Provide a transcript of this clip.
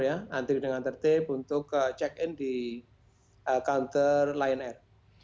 nanti dengan tertib untuk check in di counter lion air